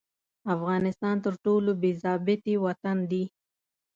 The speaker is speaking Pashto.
افغانستان تر ټولو بې ضابطې وطن دي.